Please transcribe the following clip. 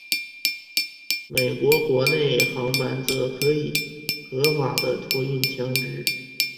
美国国内航班则可以合法的托运枪支。